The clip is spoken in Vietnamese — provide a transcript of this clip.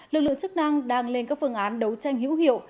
lực lượng chức năng đang lên các phương án đấu tranh hữu hiệu